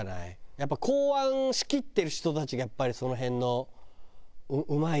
やっぱ港湾を仕切ってる人たちがやっぱりその辺のうまい。